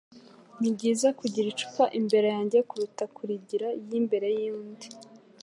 nibyiza kugira icupa imbere yanjye kuruta kurigira y'imbere yundi